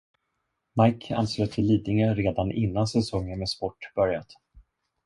Mike anslöt till Lidingö redan innan säsongen med sport börjat.